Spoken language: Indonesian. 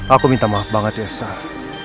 aku minta maaf banget ya sarah